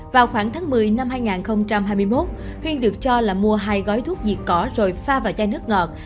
vào khoảng tháng một mươi năm hai nghìn hai mươi một huyên được cho là mua hai gói thuốc diệt cỏ rồi pha vào chai nước ngọt